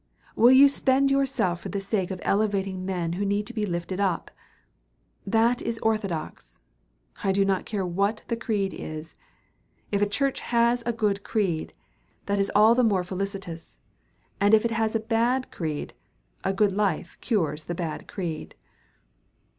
Will you spend yourself for the sake of elevating men who need to be lifted up? That is orthodox. I do not care what the creed is. If a church has a good creed, that is all the more felicitous; and if it has a bad creed, a good life cures the bad creed.